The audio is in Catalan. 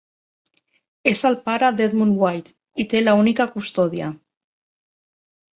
És el pare d'Edmund White, i té la única custòdia.